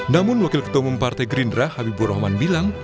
namun wakil ketua umum partai gerindra habibur rahman bilang